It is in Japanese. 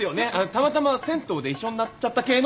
たまたま銭湯で一緒になっちゃった系の？